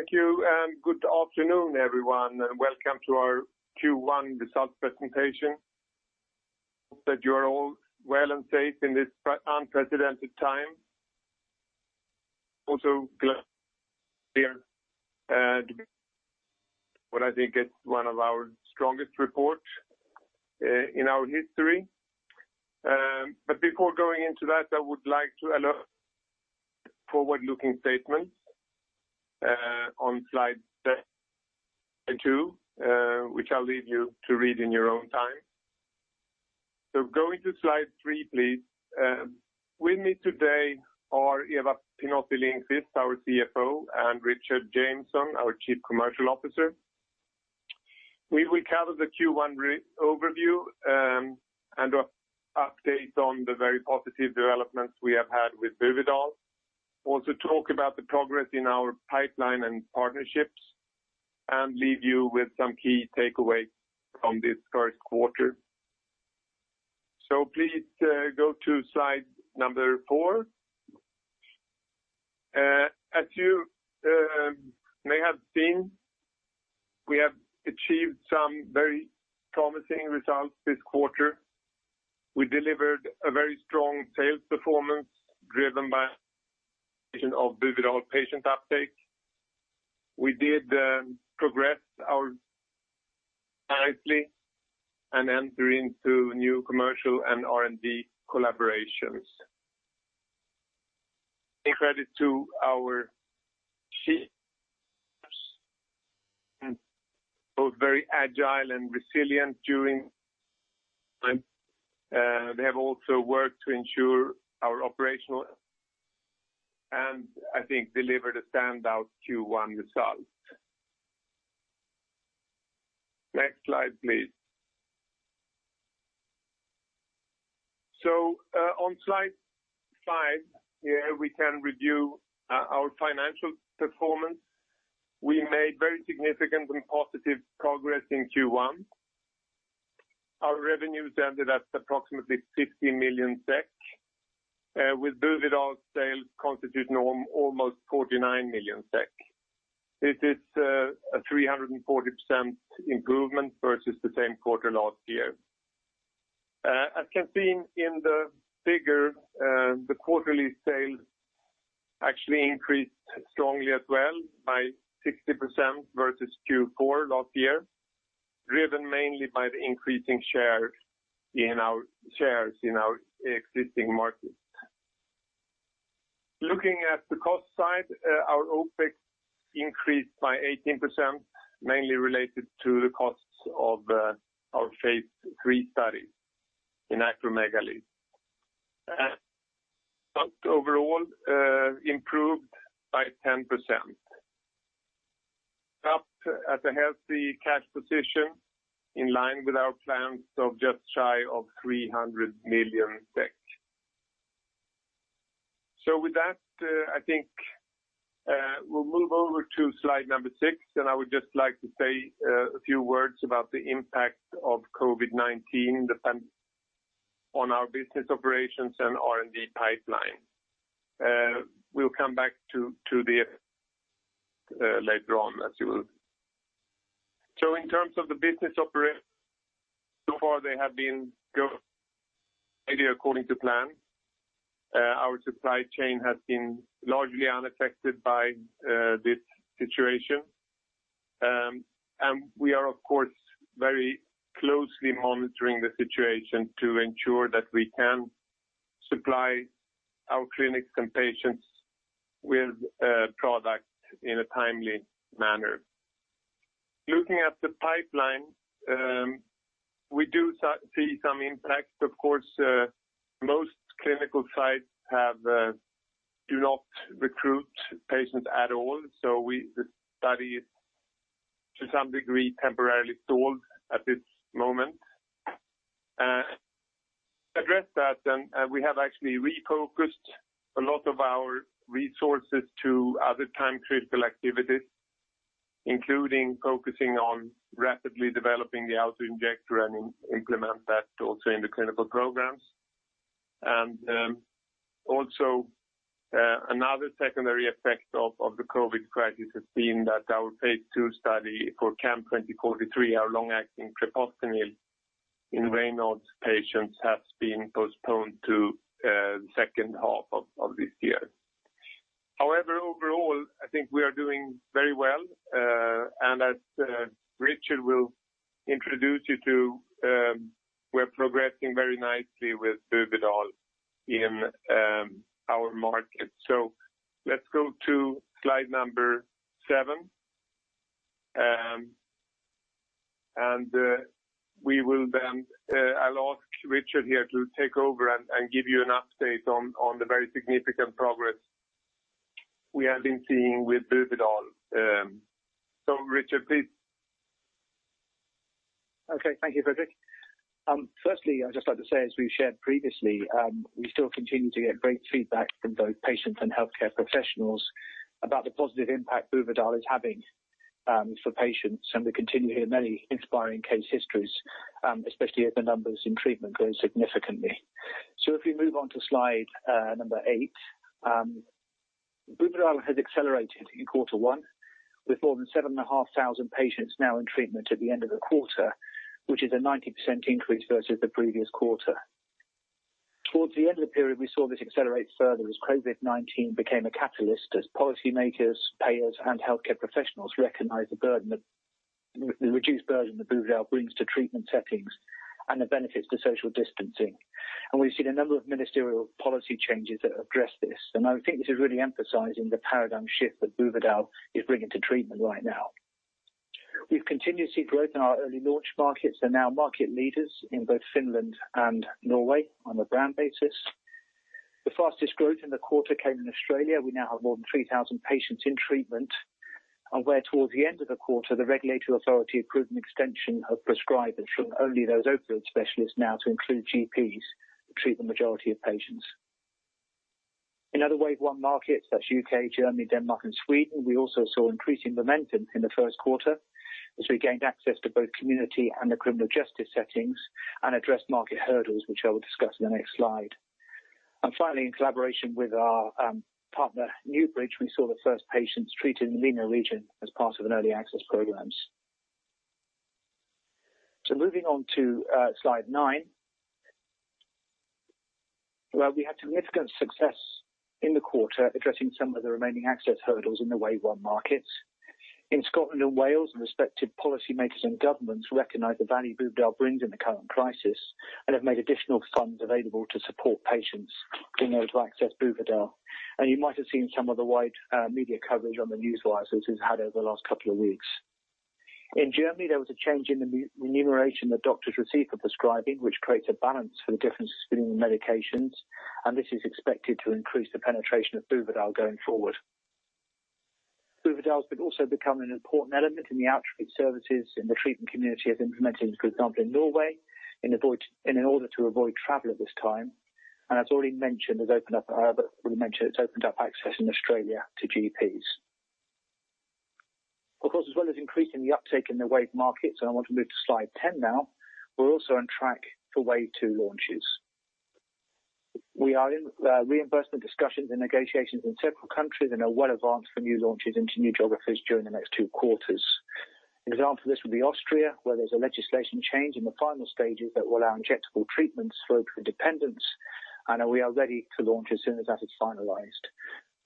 Thank you, and good afternoon, everyone, and welcome to our Q1 results presentation. Hope that you are all well and safe in this unprecedented time. Also, glad to hear what I think is one of our strongest reports in our history. But before going into that, I would like to allow forward-looking statements on slide 2, which I'll leave you to read in your own time. So going to slide 3, please. With me today are Eva Pinotti-Lindqvist, our CFO, and Richard Jameson, our Chief Commercial Officer. We will cover the Q1 overview and update on the very positive developments we have had with Buvidal. Also, talk about the progress in our pipeline and partnerships, and leave you with some key takeaways from this first quarter. So please go to slide number 4. As you may have seen, we have achieved some very promising results this quarter. We delivered a very strong sales performance driven by the patient uptake of Buvidal. We did progress our pipeline nicely and enter into new commercial and R&D collaborations. Credit to our CFO, both very agile and resilient during this time. They have also worked to ensure our operational, and I think delivered a standout Q1 result. Next slide, please. On slide 5, here we can review our financial performance. We made very significant and positive progress in Q1. Our revenues ended at approximately 50 million SEK, with Buvidal's sales constituting almost 49 million SEK. This is a 340% improvement versus the same quarter last year. As can be seen in the figure, the quarterly sales actually increased strongly as well by 60% versus Q4 last year, driven mainly by the increasing share in our existing markets. Looking at the cost side, our OpEx increased by 18%, mainly related to the costs of our phase III studies in acromegaly. Overall, improved by 10%. Up at a healthy cash position in line with our plans of just shy of 300 million. So with that, I think we'll move over to slide number 6, and I would just like to say a few words about the impact of COVID-19 on our business operations and R&D pipeline. We'll come back to this later on, as you will. So in terms of the business operations, so far they have been going according to plan. Our supply chain has been largely unaffected by this situation, and we are, of course, very closely monitoring the situation to ensure that we can supply our clinics and patients with product in a timely manner. Looking at the pipeline, we do see some impact. Of course, most clinical sites do not recruit patients at all, so the study is to some degree temporarily stalled at this moment. To address that, we have actually refocused a lot of our resources to other time-critical activities, including focusing on rapidly developing the autoinjector and implementing that also in the clinical programs, and also another secondary effect of the COVID-19 crisis has been that our phase II study for CAM2043, our long-acting treprostinil in Raynaud's patients, has been postponed to the second half of this year. However, overall, I think we are doing very well, and as Richard will introduce you to, we're progressing very nicely with Buvidal in our market. So let's go to slide number 7, and we will then. I'll ask Richard here to take over and give you an update on the very significant progress we have been seeing with Buvidal. So, Richard, please. Okay, thank you, Fredrik. Firstly, I'd just like to say, as we've shared previously, we still continue to get great feedback from both patients and healthcare professionals about the positive impact Buvidal is having for patients, and we continue to hear many inspiring case histories, especially as the numbers in treatment grow significantly. So if we move on to slide number eight, Buvidal has accelerated in quarter 1, with more than 7,500 patients now in treatment at the end of the quarter, which is a 90% increase versus the previous quarter. Towards the end of the period, we saw this accelerate further as COVID-19 became a catalyst, as policymakers, payers, and healthcare professionals recognized the reduced burden that Buvidal brings to treatment settings and the benefits to social distancing. And we've seen a number of ministerial policy changes that address this, and I think this is really emphasizing the paradigm shift that Buvidal is bringing to treatment right now. We've continued to see growth in our early launch markets and now market leaders in both Finland and Norway on a brand basis. The fastest growth in the quarter came in Australia. We now have more than 3,000 patients in treatment, and we're towards the end of the quarter. The regulatory authority approved an extension of prescribers from only those opioid specialists now to include GPs to treat the majority of patients. In other wave 1 markets, that's U.K., Germany, Denmark, and Sweden, we also saw increasing momentum in the first quarter as we gained access to both community and the criminal justice settings and addressed market hurdles, which I will discuss in the next slide. Finally, in collaboration with our partner NewBridge, we saw the first patients treated in the MENA region as part of early access programs. Moving on to slide 9, we had significant success in the quarter addressing some of the remaining access hurdles in the wave 1 markets. In Scotland and Wales, the respective policymakers and governments recognized the value Buvidal brings in the current crisis and have made additional funds available to support patients being able to access Buvidal. You might have seen some of the wide media coverage on the news wires this has had over the last couple of weeks. In Germany, there was a change in the remuneration that doctors receive for prescribing, which creates a balance for the differences between the medications, and this is expected to increase the penetration of Buvidal going forward. Buvidal has also become an important element in the outreach services in the treatment community as implemented, for example, in Norway, in order to avoid travel at this time. As already mentioned, it's opened up access in Australia to GPs. Of course, as well as increasing the uptake in the wave markets, and I want to move to slide 10 now, we're also on track for wave 2 launches. We are in reimbursement discussions and negotiations in several countries and are well advanced for new launches into new geographies during the next two quarters. Example of this would be Austria, where there's a legislative change in the final stages that will allow injectable treatments for opioid dependence, and we are ready to launch as soon as that is finalized.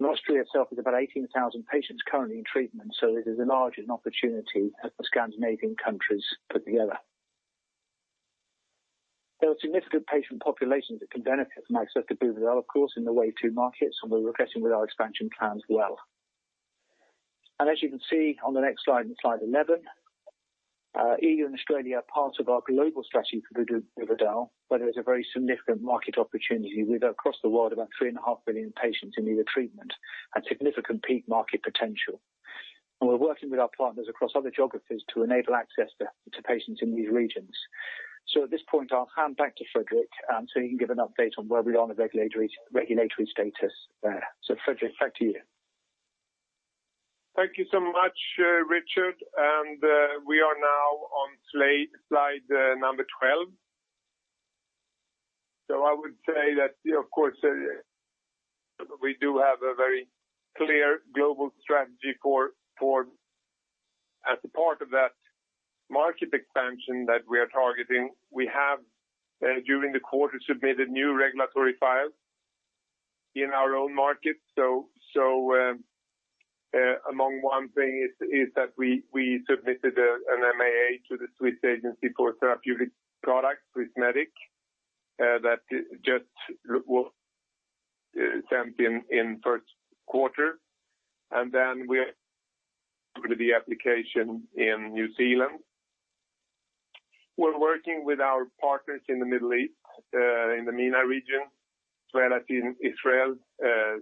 Austria itself has about 18,000 patients currently in treatment, so this is a large opportunity for Scandinavian countries put together. There are significant patient populations that can benefit from access to Buvidal, of course, in the wave 2 markets, and we're progressing with our expansion plans well. As you can see on the next slide in slide 11, EU and Australia are part of our global strategy for Buvidal, where there is a very significant market opportunity with, across the world, about 3.5 billion patients in either treatment and significant peak market potential. We're working with our partners across other geographies to enable access to patients in these regions. At this point, I'll hand back to Fredrik so he can give an update on where we are on the regulatory status there. Fredrik, back to you. Thank you so much, Richard, and we are now on slide number 12. I would say that, of course, we do have a very clear global strategy for, as a part of that market expansion that we are targeting. We have, during the quarter, submitted new regulatory files in our own market. Among one thing is that we submitted an MAA to the Swiss Agency for Therapeutic Products, Swissmedic, that just sent in first quarter, and then we are opening the application in New Zealand. We're working with our partners in the Middle East, in the MENA region, as well as in Israel,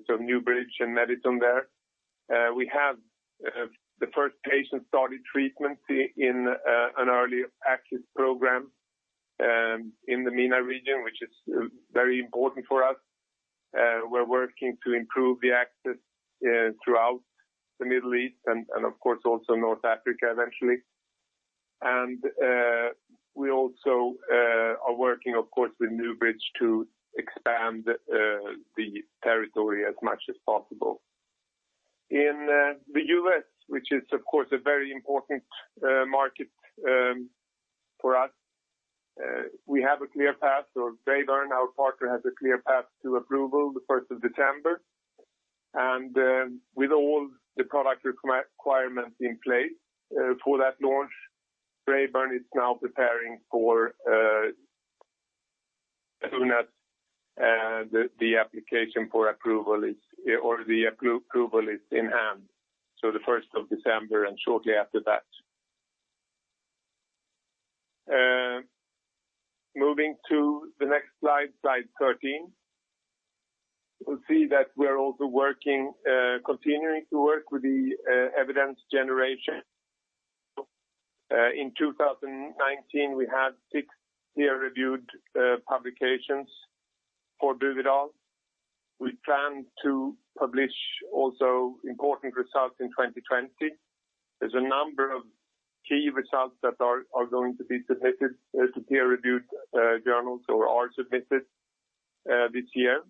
so NewBridge and Medison there. We have the first patient-study treatment in an early access program in the MENA region, which is very important for us. We're working to improve the access throughout the Middle East and, of course, also North Africa eventually. We also are working, of course, with NewBridge to expand the territory as much as possible. In the U.S., which is, of course, a very important market for us, we have a clear path, or Braeburn, our partner, has a clear path to approval the 1st of December. With all the product requirements in place for that launch, Braeburn is now preparing for as soon as the application for approval is, or the approval is in hand, so the 1st of December and shortly after that. Moving to the next slide, slide 13, you'll see that we're also working, continuing to work with the evidence generation. In 2019, we had six peer-reviewed publications for Buvidal. We plan to publish also important results in 2020. There's a number of key results that are going to be submitted to peer-reviewed journals or are submitted this year.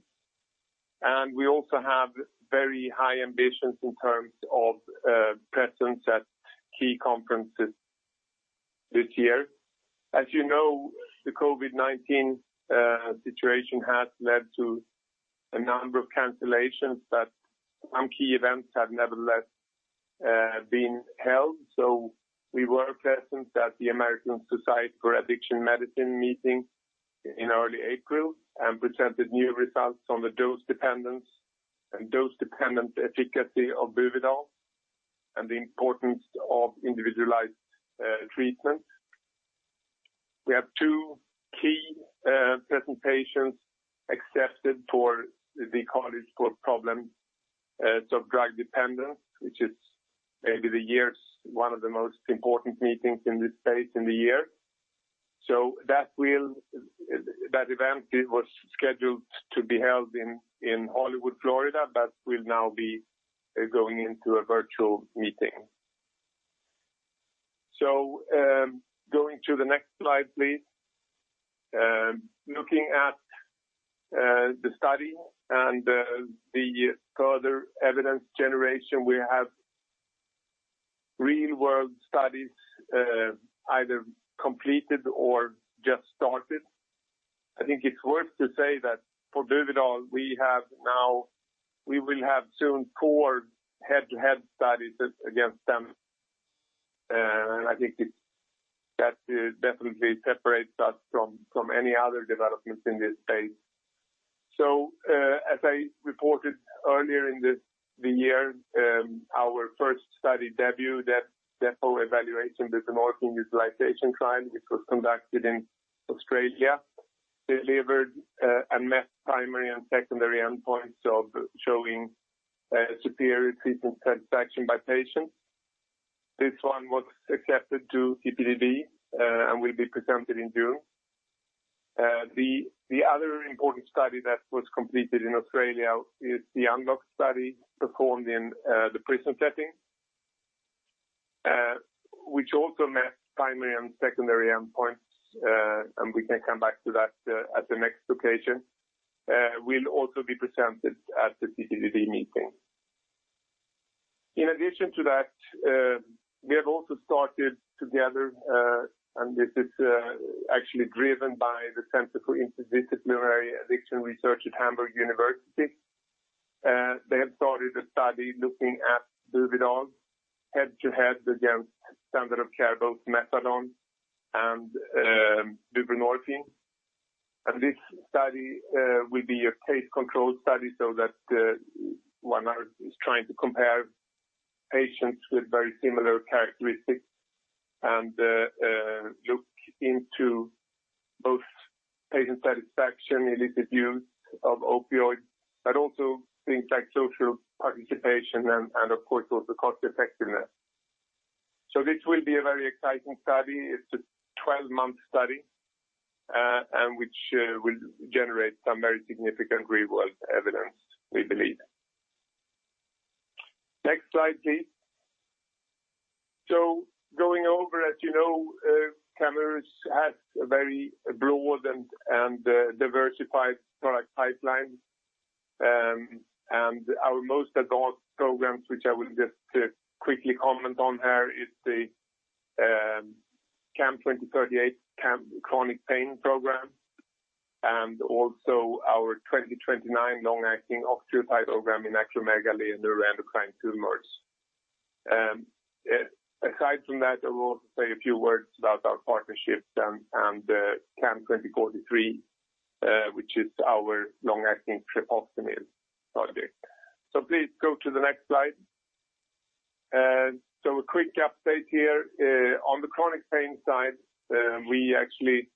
We also have very high ambitions in terms of presence at key conferences this year. As you know, the COVID-19 situation has led to a number of cancellations, but some key events have nevertheless been held. We were present at the American Society of Addiction Medicine meeting in early April and presented new results on the dose dependence and dose dependent efficacy of Buvidal and the importance of individualized treatment. We have two key presentations accepted for the College on Problems of Drug Dependence, which is maybe the year's one of the most important meetings in this space in the year. That event was scheduled to be held in Hollywood, Florida, but will now be going into a virtual meeting. Going to the next slide, please. Looking at the study and the further evidence generation, we have real-world studies either completed or just started. I think it's worth to say that for Buvidal, we will have soon four head-to-head studies against them, and I think that definitely separates us from any other developments in this space. So as I reported earlier in the year, our first study DEBUT, that Depot evaluation, the Depot Utilization Trial, which was conducted in Australia, delivered and met primary and secondary endpoints of showing superior treatment satisfaction by patients. This one was accepted to CPDD and will be presented in June. The other important study that was completed in Australia is the UNLOCK study performed in the prison setting, which also met primary and secondary endpoints, and we can come back to that at the next occasion. We'll also be presented at the CPDD meeting. In addition to that, we have also started together, and this is actually driven by the Center for Interdisciplinary Addiction Research at Hamburg University. They have started a study looking at Buvidal head-to-head against standard of care, both methadone and buprenorphine. And this study will be a case-control study so that one is trying to compare patients with very similar characteristics and look into both patient satisfaction, illicit use of opioids, but also things like social participation and, of course, also cost-effectiveness. So this will be a very exciting study. It's a 12-month study which will generate some very significant real-world evidence, we believe. Next slide, please. So going over, as you know, Camurus has a very broad and diversified product pipeline. And our most advanced programs, which I will just quickly comment on here, is the CAM2038 chronic pain program and also our 2029 long-acting octreotide program in acromegaly and neuroendocrine tumors. Aside from that, I will also say a few words about our partnerships and CAM2043, which is our long-acting treprostinil project. So please go to the next slide. So a quick update here. On the chronic pain side, we actually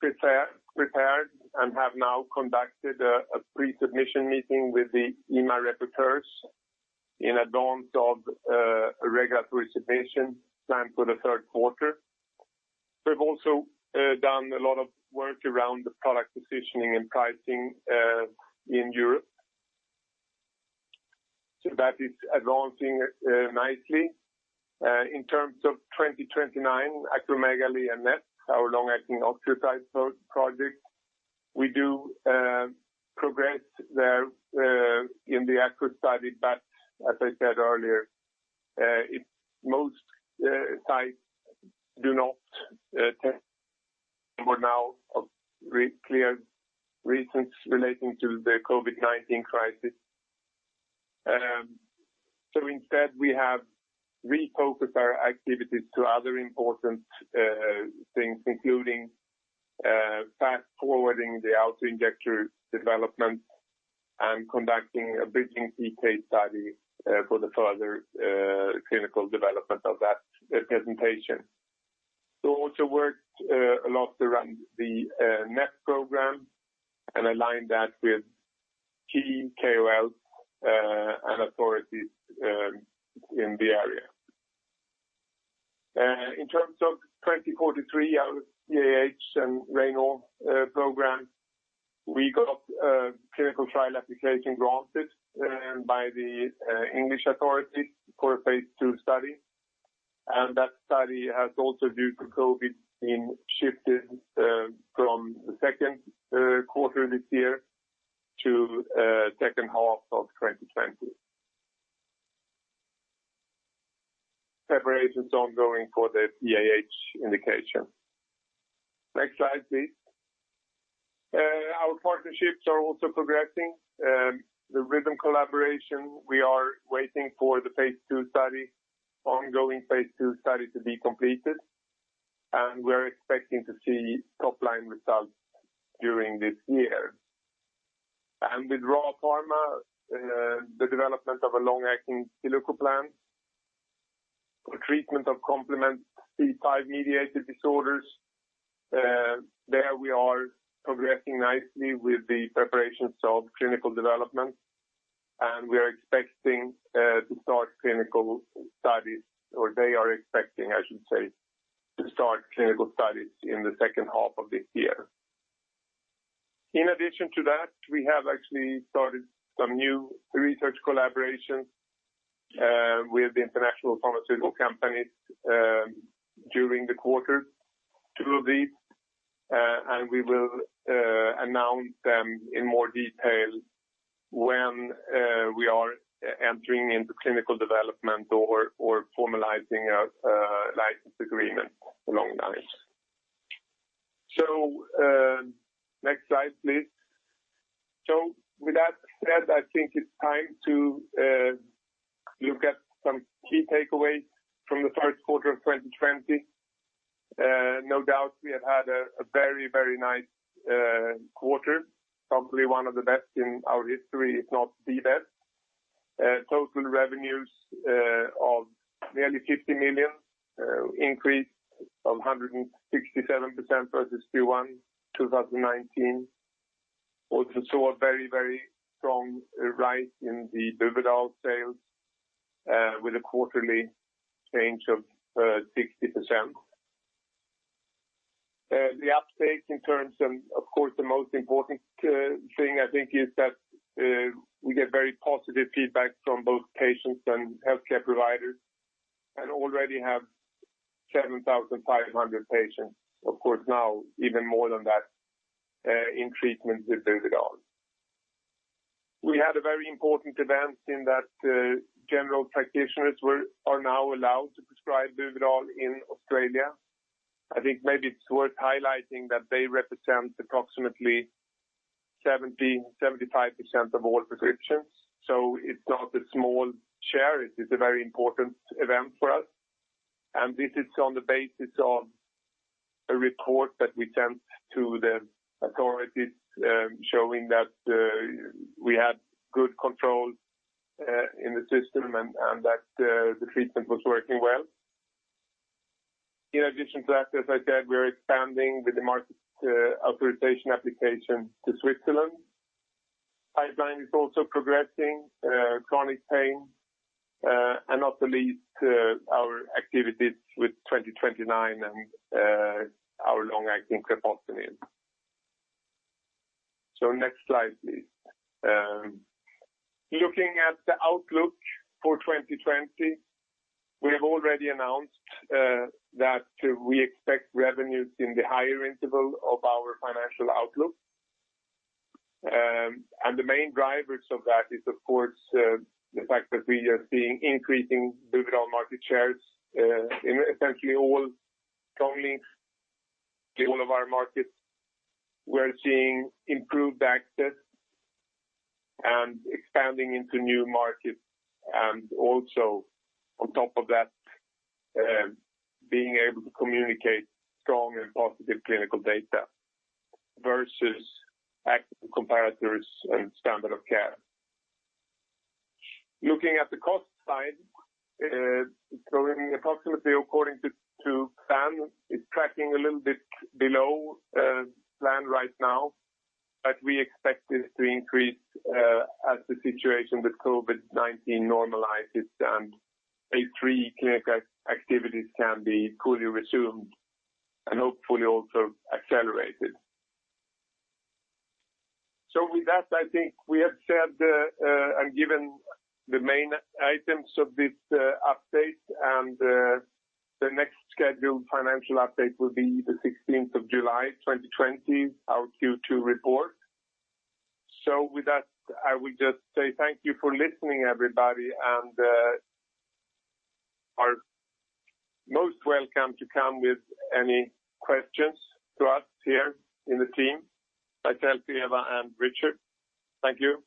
prepared and have now conducted a pre-submission meeting with the EMA rapporteurs in advance of regulatory submission planned for the third quarter. We've also done a lot of work around the product positioning and pricing in Europe. So that is advancing nicely. In terms of CAM2029 acromegaly and NET, our long-acting octreotide project, we do progress there in the acro study, but as I said earlier, most sites do not test for now for clear reasons relating to the COVID-19 crisis. So instead, we have refocused our activities to other important things, including fast forwarding the autoinjector development and conducting a bridging PK study for the further clinical development of that presentation. We also worked a lot around the NET program and aligned that with key KOLs and authorities in the area. In terms of 2043, our PAH and Raynaud's program, we got clinical trial application granted by the English authorities for a phase II study, and that study has also due to COVID been shifted from the second quarter of this year to the second half of 2020. Preparations ongoing for the PAH indication. Next slide, please. Our partnerships are also progressing. The Rhythm collaboration, we are waiting for the phase II study, ongoing phase II study to be completed, and we're expecting to see top-line results during this year. With Ra Pharmaceuticals, the development of a long-acting zilucoplan for treatment of complement C5-mediated disorders, there we are progressing nicely with the preparations of clinical development, and we are expecting to start clinical studies, or they are expecting, I should say, to start clinical studies in the second half of this year. In addition to that, we have actually started some new research collaborations with the international pharmaceutical companies during the quarter, two of these, and we will announce them in more detail when we are entering into clinical development or formalizing a license agreement along lines. Next slide, please. With that said, I think it's time to look at some key takeaways from the first quarter of 2020. No doubt we have had a very, very nice quarter, probably one of the best in our history, if not the best. Total revenues of nearly 50 million increased of 167% versus Q1 2019. Also saw a very, very strong rise in the Buvidal sales with a quarterly change of 60%. The uptake in terms of, of course, the most important thing I think is that we get very positive feedback from both patients and healthcare providers and already have 7,500 patients, of course, now even more than that in treatment with Buvidal. We had a very important event in that general practitioners are now allowed to prescribe Buvidal in Australia. I think maybe it's worth highlighting that they represent approximately 70%-75% of all prescriptions. So it's not a small share. It is a very important event for us. And this is on the basis of a report that we sent to the authorities showing that we had good control in the system and that the treatment was working well. In addition to that, as I said, we are expanding with the market authorization application to Switzerland. Pipeline is also progressing, chronic pain, and not the least our activities with CAM2029 and our long-acting treprostinil. Next slide, please. Looking at the outlook for 2020, we have already announced that we expect revenues in the higher interval of our financial outlook. The main drivers of that is, of course, the fact that we are seeing increasing Buvidal market shares in essentially all launch markets, all of our markets. We're seeing improved access and expanding into new markets and also on top of that, being able to communicate strong and positive clinical data versus active comparators and standard of care. Looking at the cost side, so approximately according to plan, it's tracking a little bit below plan right now, but we expect this to increase as the situation with COVID-19 normalizes and phase III clinical activities can be fully resumed and hopefully also accelerated. So with that, I think we have said and given the main items of this update and the next scheduled financial update will be the 16th of July, 2020, our Q2 report. So with that, I will just say thank you for listening, everybody, and are most welcome to come with any questions to us here in the team. Myself, Eva, and Richard. Thank you.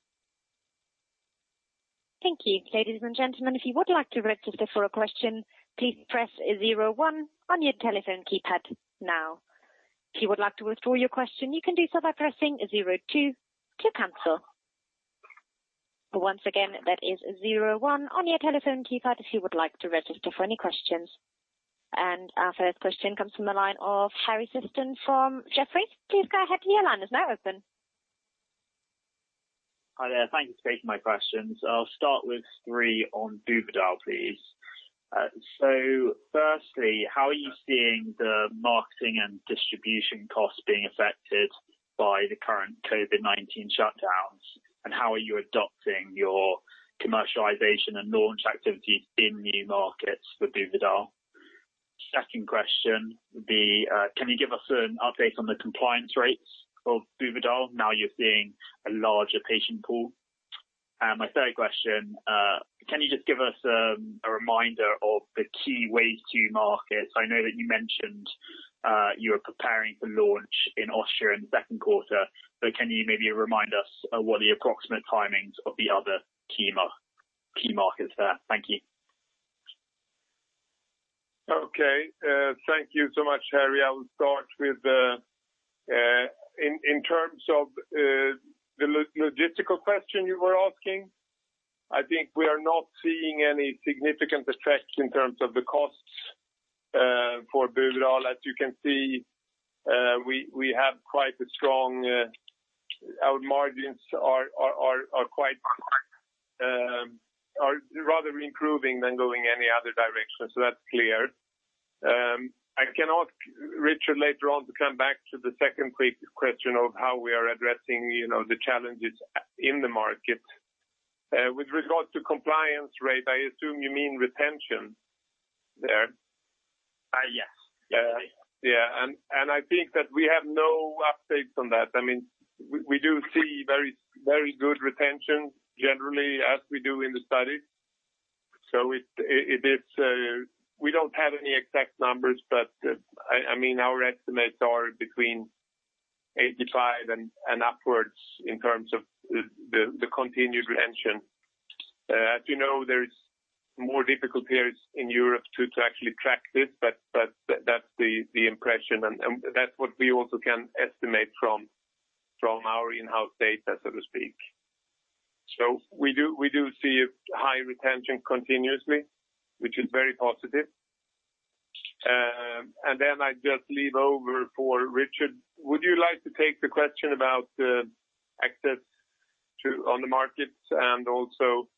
Thank you, ladies and gentlemen. If you would like to register for a question, please press zero one on your telephone keypad now. If you would like to withdraw your question, you can do so by pressing zero two to cancel. Once again, that is zero one on your telephone keypad if you would like to register for any questions. Our first question comes from the line of Harry Sephton from Jefferies. Please go ahead. Your line is now open. Hi there. Thank you for taking my questions. I'll start with three on Buvidal, please. So firstly, how are you seeing the marketing and distribution costs being affected by the current COVID-19 shutdowns? And how are you adopting your commercialization and launch activities in new markets for Buvidal? Second question would be, can you give us an update on the compliance rates of Buvidal? Now you're seeing a larger patient pool. And my third question, can you just give us a reminder of the key ways to market? I know that you mentioned you were preparing for launch in Austria in the second quarter, but can you maybe remind us of what the approximate timings of the other key markets there? Thank you. Okay. Thank you so much, Harry. I will start with, in terms of the logistical question you were asking, I think we are not seeing any significant effects in terms of the costs for Buvidal. As you can see, we have quite a strong our margins are quite rather improving than going any other direction. So that's clear. I can ask Richard later on to come back to the second question of how we are addressing the challenges in the market. With regard to compliance rate, I assume you mean retention there. Yes. Yeah. And I think that we have no updates on that. I mean, we do see very good retention generally as we do in the study, so we don't have any exact numbers, but I mean, our estimates are between 85 and upwards in terms of the continued retention. As you know, there's more difficult years in Europe to actually track this, but that's the impression, and that's what we also can estimate from our in-house data, so to speak, so we do see high retention continuously, which is very positive, and then I just hand over to Richard. Would you like to take the question about the access in the markets and also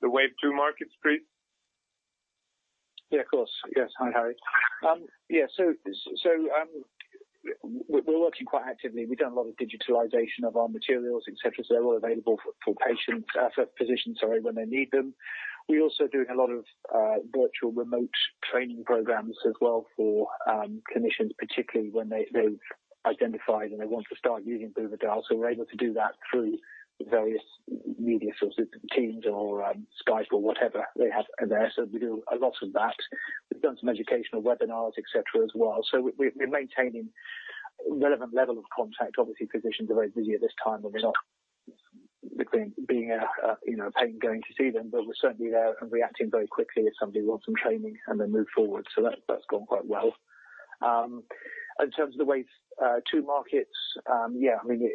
the wave two markets, please? Yeah, of course. Yes. Hi, Harry. Yeah, so we're working quite actively. We've done a lot of digitalization of our materials, etc., so they're all available for physicians, sorry, when they need them. We're also doing a lot of virtual remote training programs as well for clinicians, particularly when they've identified and they want to start using Buvidal. So we're able to do that through various media sources, Teams or Skype or whatever they have there. So we do a lot of that. We've done some educational webinars, etc., as well. So we're maintaining a relevant level of contact. Obviously, physicians are very busy at this time and we're not being a pain going to see them, but we're certainly there and reacting very quickly if somebody wants some training and then move forward. So that's gone quite well. In terms of the wave two markets, yeah, I mean,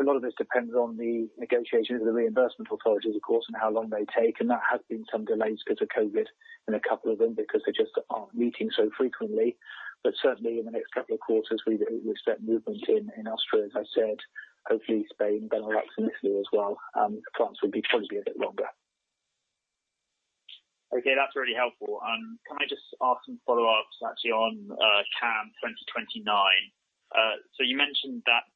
a lot of this depends on the negotiations with the reimbursement authorities, of course, and how long they take. And there have been some delays because of COVID-19 and a couple of them because they just aren't meeting so frequently. But certainly, in the next couple of quarters, we've set movement in Austria, as I said, hopefully Spain, then I'll add some Italy as well. France would probably be a bit longer. Okay. That's really helpful. Can I just ask some follow-ups actually on CAM2029? So you mentioned that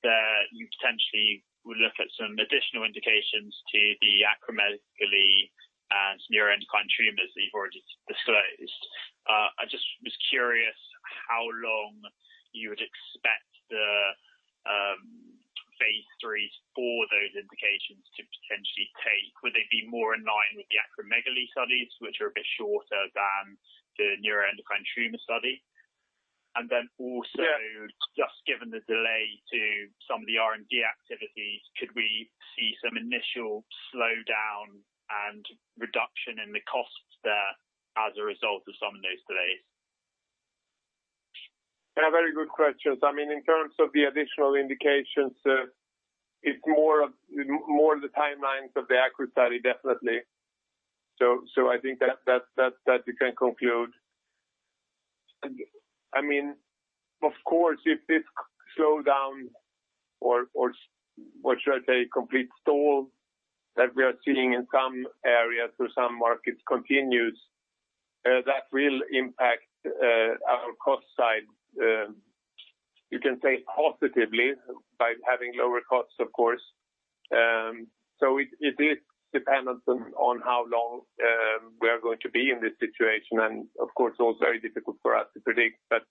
you potentially would look at some additional indications to the acromegaly and neuroendocrine tumors that you've already disclosed. I just was curious how long you would expect the phase III for those indications to potentially take. Would they be more in line with the acromegaly studies, which are a bit shorter than the neuroendocrine tumor study? And then also, just given the delay to some of the R&D activities, could we see some initial slowdown and reduction in the costs there as a result of some of those delays? Very good questions. I mean, in terms of the additional indications, it's more of the timelines of the ACRO study, definitely. So I think that you can conclude. I mean, of course, if this slowdown or, what should I say, complete stall that we are seeing in some areas or some markets continues, that will impact our cost side. You can say positively by having lower costs, of course. So it is dependent on how long we are going to be in this situation. And of course, it's also very difficult for us to predict. But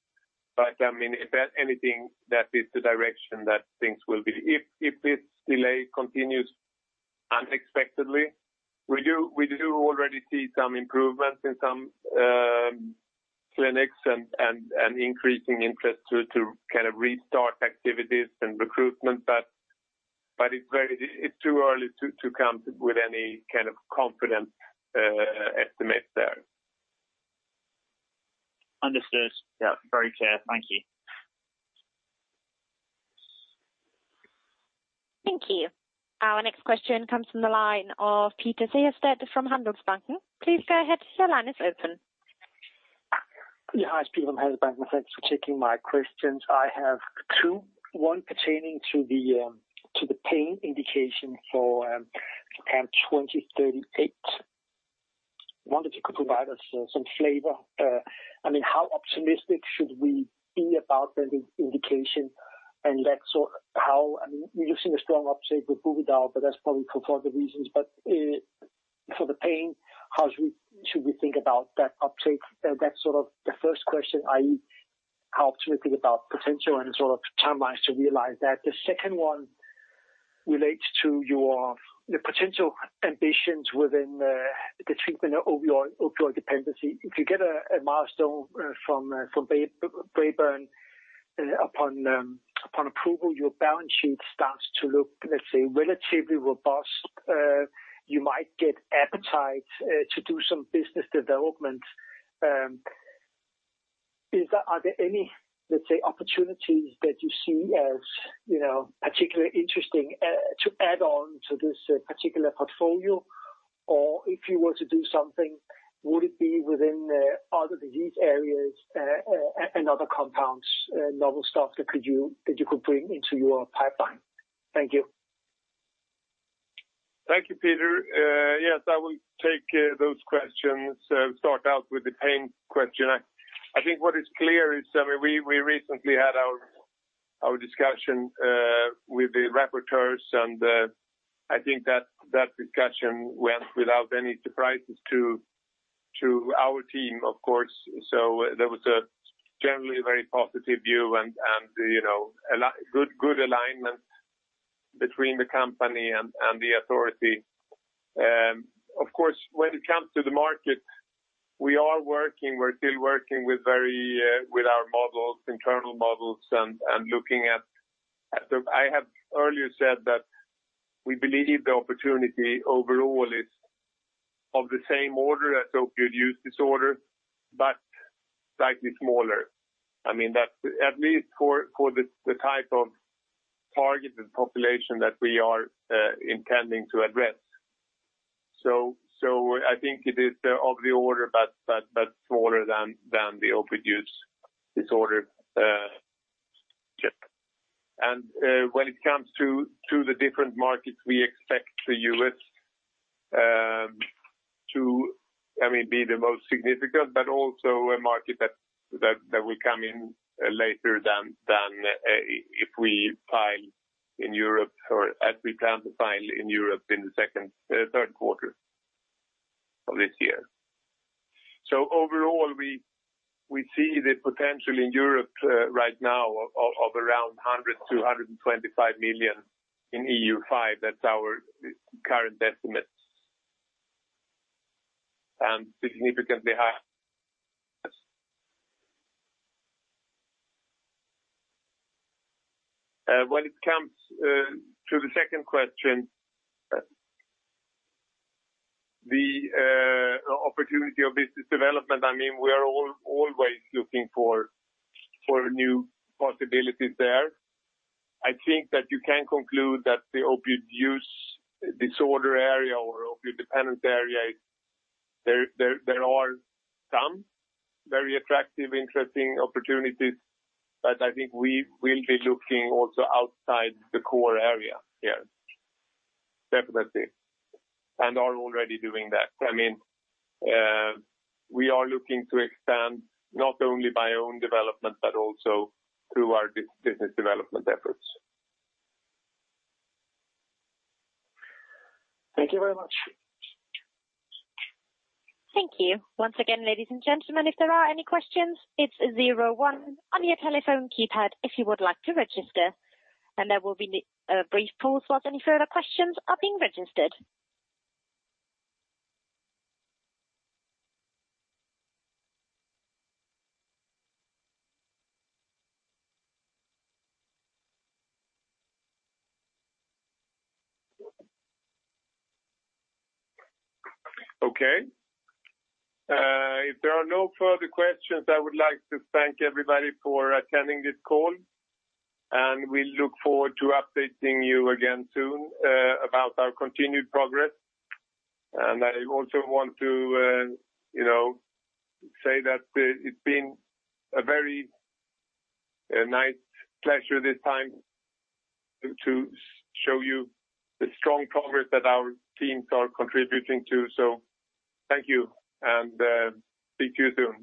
I mean, if anything, that is the direction that things will be. If this delay continues unexpectedly, we do already see some improvements in some clinics and increasing interest to kind of restart activities and recruitment. But it's too early to come with any kind of confident estimates there. Understood. Yeah. Very clear. Thank you. Thank you. Our next question comes from the line of Peter Sehested from Handelsbanken. Please go ahead. Your line is open. Yeah. Hi, speaking from Handelsbanken. Thanks for taking my questions. I have two. One pertaining to the pain indication for CAM2038. I wonder if you could provide us some flavor. I mean, how optimistic should we be about that indication? And that's how, I mean, we're using a strong uptake with Buvidal, but that's probably for further reasons. But for the pain, how should we think about that uptake? That's sort of the first question, i.e., how optimistic about potential and sort of timelines to realize that. The second one relates to your potential ambitions within the treatment of opioid dependency. If you get a milestone from Braeburn upon approval, your balance sheet starts to look, let's say, relatively robust. You might get appetite to do some business development. Are there any, let's say, opportunities that you see as particularly interesting to add on to this particular portfolio? Or if you were to do something, would it be within other disease areas and other compounds, novel stuff that you could bring into your pipeline? Thank you. Thank you, Peter. Yes, I will take those questions. Start out with the pain question. I think what is clear is, I mean, we recently had our discussion with the rapporteurs, and I think that that discussion went without any surprises to our team, of course. So there was a generally very positive view and good alignment between the company and the authority. Of course, when it comes to the market, we are working, we're still working with our models, internal models, and looking at. I have earlier said that we believe the opportunity overall is of the same order as opioid use disorder, but slightly smaller. I mean, at least for the type of targeted population that we are intending to address. So I think it is of the order, but smaller than the opioid use disorder. When it comes to the different markets, we expect the U.S. to, I mean, be the most significant, but also a market that will come in later than if we file in Europe or as we plan to file in Europe in the second, third quarter of this year. So overall, we see the potential in Europe right now of around 100 million-125 million in EU5. That's our current estimates. Significantly higher. When it comes to the second question, the opportunity of business development, I mean, we are always looking for new possibilities there. I think that you can conclude that the opioid use disorder area or opioid dependence area, there are some very attractive, interesting opportunities, but I think we will be looking also outside the core area here. Definitely. We are already doing that. I mean, we are looking to expand not only by own development, but also through our business development efforts. Thank you very much. Thank you. Once again, ladies and gentlemen, if there are any questions, it's zero one on your telephone keypad if you would like to register. And there will be a brief pause whilst any further questions are being registered. Okay. If there are no further questions, I would like to thank everybody for attending this call. And we look forward to updating you again soon about our continued progress. And I also want to say that it's been a very nice pleasure this time to show you the strong progress that our teams are contributing to. So thank you and speak to you soon.